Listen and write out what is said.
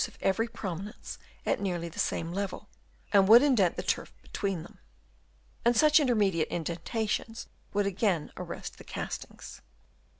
285 of every prominence at nearly the same level, and would indent the turf between them ; and such intermediate indentations would again arrest the castings.